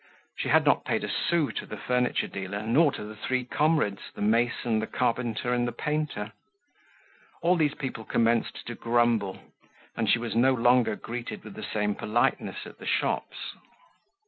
She had not paid a sou to the furniture dealer nor to the three comrades, the mason, the carpenter and the painter. All these people commenced to grumble, and she was no longer greeted with the same politeness at the shops.